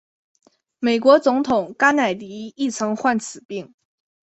美国总统甘乃迪亦曾患此病。